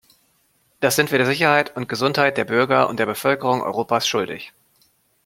Das sind wir der Sicherheit und Gesundheit der Bürger und der Bevölkerung Europas schuldig.